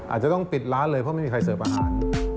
อาจจะต้องปิดร้านเลยเพราะไม่มีใครเสิร์ฟอาหาร